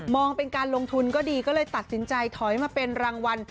เป็นการลงทุนก็ดีก็เลยตัดสินใจถอยมาเป็นรางวัล